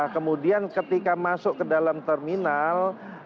kemudian ketika masuk ke dalam terminal